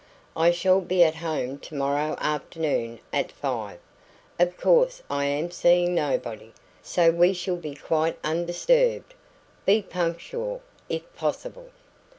I shall be at home tomorrow afternoon at five. Of course I am seeing nobody, so we shall be quite undisturbed. Be punctual, if possible."